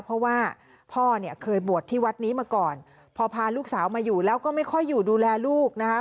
เพราะว่าพ่อเนี่ยเคยบวชที่วัดนี้มาก่อนพอพาลูกสาวมาอยู่แล้วก็ไม่ค่อยอยู่ดูแลลูกนะคะ